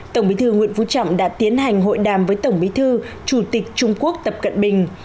tổng bí thư nguyễn phú trọng đã tiến hành hội đàm với tổng bí thư chủ tịch trung quốc tập cận bình